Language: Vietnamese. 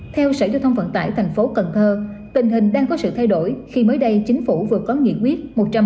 theo sở giao thông vận tải thành phố cần thơ tình hình đang có sự thay đổi khi mới đây chính phủ vừa có nghị quyết một trăm ba mươi